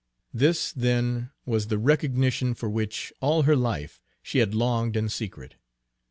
This, then, was the recognition for which, all her life, she had longed in secret.